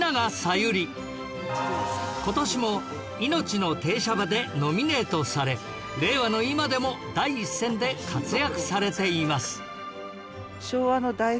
今年も『いのちの停車場』でノミネートされ令和の今でも第一線で活躍されています